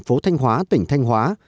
tp thanh hóa tỉnh thanh hóa